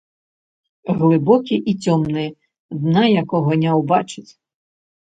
Глыбокі і цёмны, дна якога не ўбачыць.